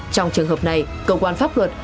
trong trường hợp này cơ quan pháp luật